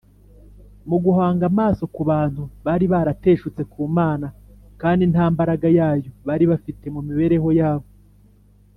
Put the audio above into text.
. Mu guhanga amaso ku bantu, bari barateshutse ku Mana, kandi nta mbaraga Yayo bari bafite mu mibereho yabo.